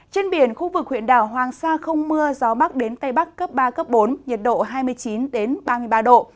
trên biển khu vực huyện đảo hoàng sa không mưa gió bắc đến tây bắc cấp ba cấp bốn nhiệt độ hai mươi chín ba mươi ba độ